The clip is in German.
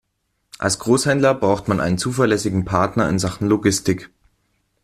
Als Großhändler braucht man einen zuverlässigen Partner in Sachen Logistik.